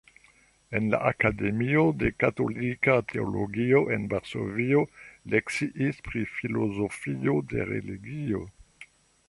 En la Akademio de Katolika Teologio en Varsovio lekciis pri filozofio de religio.